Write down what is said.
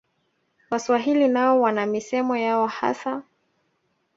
Waswahili nao wana misemo yao hasa